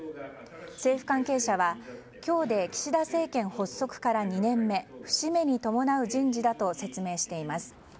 政府関係者は今日で岸田政権発足から２年目節目に伴う人事だと説明しています。